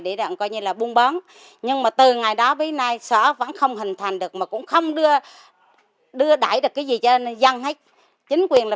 để cô như là mua sinh cuộc sống gia đình tôi là